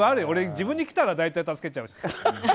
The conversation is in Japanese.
俺、自分に来たら大体助けちゃうし。